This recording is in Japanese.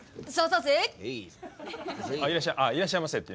あっ「いらっしゃいませ」って？